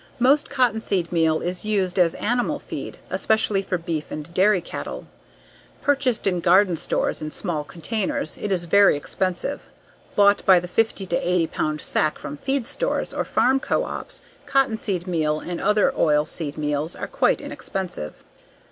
Most cottonseed meal is used as animal feed, especially for beef and dairy cattle. Purchased in garden stores in small containers it is very expensive; bought by the 50 to 80 pound sack from feed stores or farm coops, cottonseed meal and other oil seed meals are quite inexpensive.